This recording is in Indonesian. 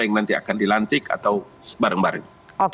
yang nanti akan dilantik atau bareng bareng